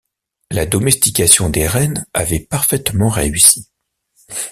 La domestication des rennes avait parfaitement réussi.